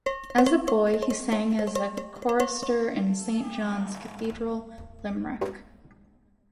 As a boy, he sang as a chorister in Saint John's Cathedral, Limerick.